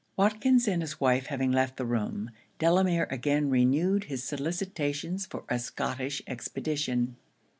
Watkins and his wife having left the room, Delamere again renewed his solicitations for a Scottish expedition.